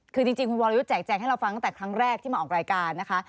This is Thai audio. คือจริงคุณวรยุทธ์แจกแจงให้เราฟังตั้งแต่ครั้งแรกที่มาออกรายการนะคะ